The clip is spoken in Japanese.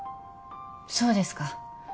そうですか。